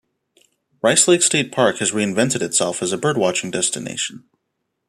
Rice Lake State Park has reinvented itself as a birdwatching destination.